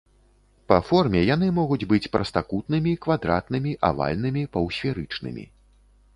Па форме яны могуць быць прастакутнымі, квадратнымі, авальнымі, паўсферычнымі.